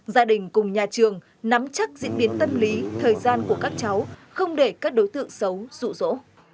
gia đình cùng nhà trường nắm chắc diễn biến tâm lý thời gian của các cháu không để các đối tượng xấu rụ rỗ